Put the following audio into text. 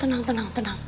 tenang tenang tenang